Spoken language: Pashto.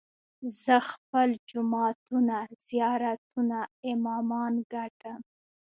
زه خپل جوماتونه، زيارتونه، امامان ګټم